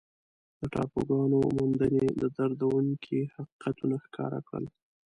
د ټاپوګانو موندنې دردونکي حقیقتونه ښکاره کړل.